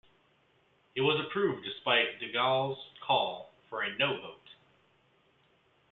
It was approved despite De Gaulle's call for a "no" vote.